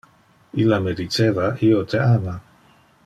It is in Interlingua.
Illa me diceva "io te ama".